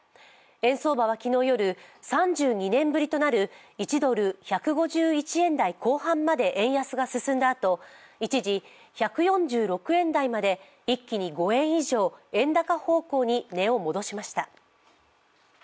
円相場は昨日夜３２年ぶりとなる１ドル＝１５１円台後半まで円安が進んだあと一時１４６円台まで一気に５円以上円高方向に値を戻しました。